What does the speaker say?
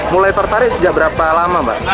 mulai tertarik sejak berapa lama mbak